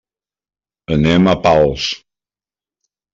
Anem a Pals.